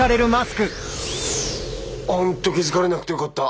本当気付かれなくてよかった